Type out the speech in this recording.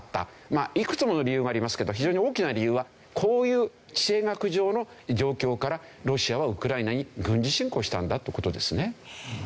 まあいくつもの理由がありますけど非常に大きな理由はこういう地政学上の状況からロシアはウクライナに軍事侵攻したんだという事ですね。